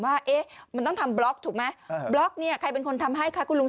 ว่ามันต้องทำบล็อกถูกไหมบล็อกเนี่ยใครเป็นคนทำให้คะคุณลุง